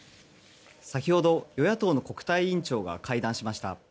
先ほど与野党の国対委員長が会談しました。